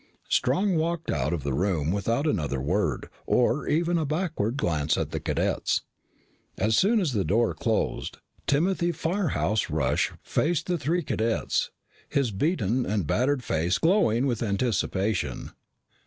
Strong walked out of the room without another word, nor even a backward glance at the cadets. As soon as the door closed, Timothy "Firehouse" Rush faced the three cadets, his beaten and battered face glowing with anticipation.